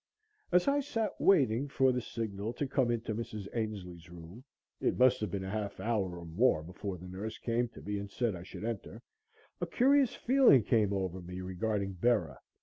As I sat waiting for the signal to come into Mrs. Ainslee's room it must have been a half hour or more before the nurse came to me and said I should enter a curious feeling came over me regarding Bera.